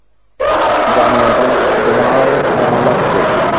জানো এখন তোমায় কেমন লাগছে?